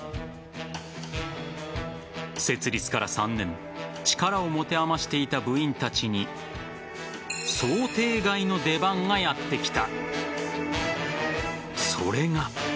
設立から３年力を持て余していた部員たちに想定外の出番がやってきた。